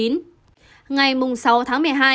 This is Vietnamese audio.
ngày sáu tháng một mươi hai